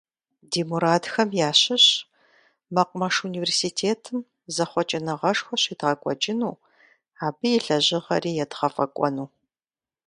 Ди мурадхэм ящыщщ мэкъумэш университетым зэхъуэкӏыныгъэшхуэ щедгъэкӏуэкӏыну, абы и лэжьыгъэри едгъэфӏэкӏуэну.